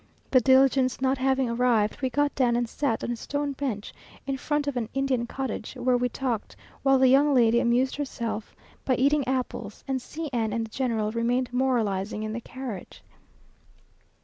The diligence not having arrived, we got down and sat on a stone bench, in front of an Indian cottage, where we talked, while the young lady amused herself by eating apples, and C n and the General remained moralizing in the carriage.